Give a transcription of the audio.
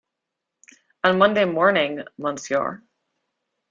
On Monday morning, monsieur.